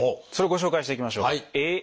それをご紹介していきましょう。